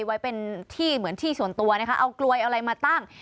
ไว้เป็นที่เหมือนที่ส่วนตัวนะคะเอากลวยเอาอะไรมาตั้ง